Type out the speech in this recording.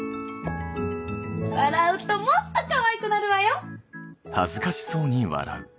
笑うともっとかわいくなるわよ。